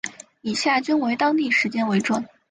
以下均为当地时间为准。